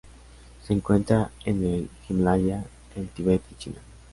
Se encuentra en el Himalaya, el Tíbet y China.